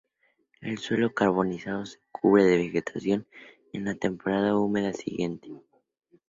El suelo carbonizado se cubre de vegetación en la temporada húmeda siguiente.